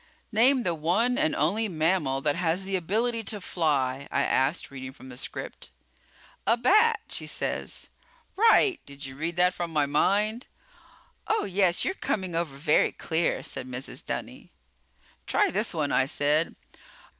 "Name the one and only mammal that has the ability to fly," I asked, reading from the script. "A bat," she said. "Right! Did you read that from my mind?" "Oh, yes, you're coming over very clear!" said Mrs. Dunny. "Try this one," I said.